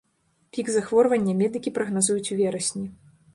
Пік захворвання медыкі прагназуюць у верасні.